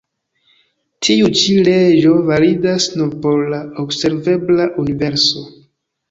Tiu-ĉi leĝo validas nur por la observebla universo.